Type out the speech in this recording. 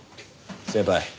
先輩。